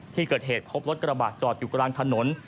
ที่เกิดเหตุพบรถกระบาดจอดอยู่กลางถนน